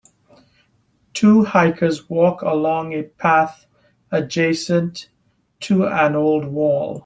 Two hikers walk along a path adjacent to an old wall.